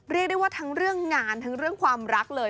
เรียกได้ว่าทั้งเรื่องงานและความรักเลย